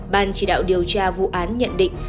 ban chỉ đạo điều tra vụ án nhận định